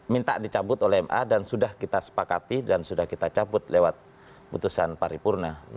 minta dicabut oleh ma dan sudah kita sepakati dan sudah kita cabut lewat putusan paripurna